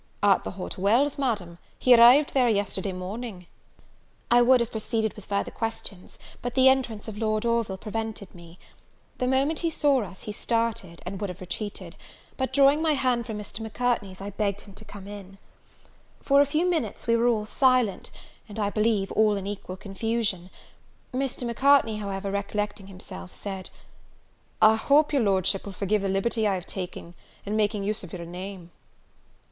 "At the Hot Wells, Madam; he arrived there yesterday morning." I would have proceeded with further questions, but the entrance of Lord Orville prevented me. The moment he saw us, he started, and would have retreated; but, drawing my hand from Mr. Macartney's, I begged him to come in. For a few moments we were all silent, and, I believe, all in equal confusion. Mr. Macartney, however, recollecting himself said "I hope your Lordship will forgive the liberty I have taken in making use of your name."